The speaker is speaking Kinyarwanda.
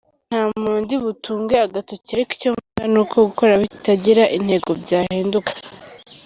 Nta muntu ndibutunge agatoki ariko icyo mvuga ni uko gukora bitagira intego byahinduka.